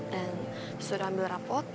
dan sudah ambil rapot